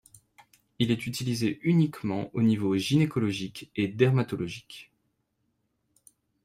Il est utilisé uniquement au niveau gynécologique et dermatologique.